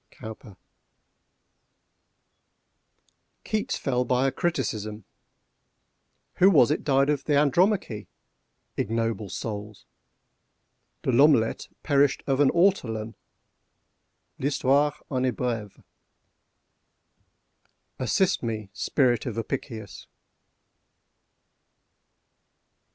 —Cowper. Keats fell by a criticism. Who was it died of "The Andromache"? {*1} Ignoble souls!—De L'Omelette perished of an ortolan. L'histoire en est brève. Assist me, Spirit of Apicius!